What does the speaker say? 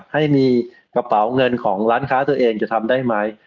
ให้มีกระเป๋าเงินของร้านค้าตัวเองจะทำได้ไหม